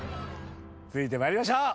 続いて参りましょう。